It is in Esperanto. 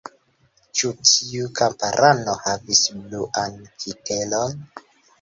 Ĉu tiu kamparano havis bluan kitelon?